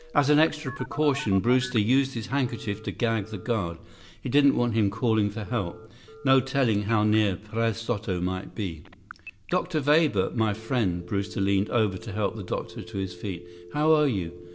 As an extra precaution, Brewster used his handkerchief to gag the guard. He didn't want him calling for help. No telling how near Perez Soto might be. "Dr. Weber, my friend." Brewster leaned over to help the doctor to his feet. "How are you?